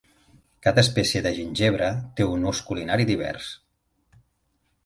Cada espècie de gingebre té un ús culinari divers.